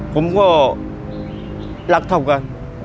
ผมก็รักเท่ากัน